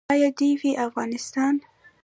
اباد دې وي افغانستان.